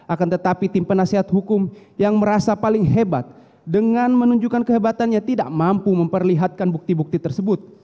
akan tetapi tim penasehat hukum yang merasa paling hebat dengan menunjukkan kehebatannya tidak mampu memperlihatkan bukti bukti tersebut